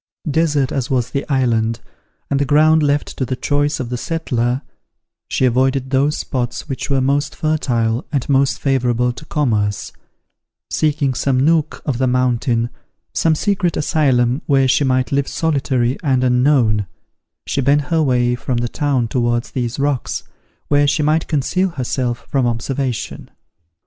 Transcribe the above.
Desert as was the island, and the ground left to the choice of the settler, she avoided those spots which were most fertile and most favorable to commerce: seeking some nook of the mountain, some secret asylum where she might live solitary and unknown, she bent her way from the town towards these rocks, where she might conceal herself from observation.